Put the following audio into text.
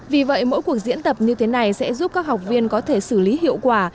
vì vậy mỗi cuộc diễn tập như thế này sẽ giúp các học viên có thể xử lý hiệu quả